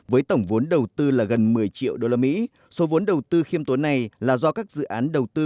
với tổng vốn đầu tư là gần một mươi triệu usd số vốn đầu tư khiêm tốn này là do các dự án đầu tư